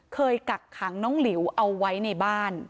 กักขังน้องหลิวเอาไว้ในบ้าน